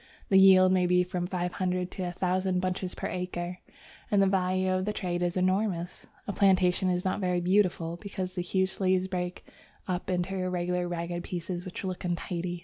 The yield may be from five hundred to a thousand bunches per acre, and the value of the trade is enormous. A plantation is not very beautiful, because the huge leaves break up into irregular, ragged pieces which look untidy.